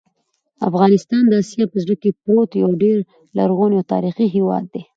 افغانستان د اسیا په زړه کې پروت یو ډېر لرغونی او تاریخي هېواد دی.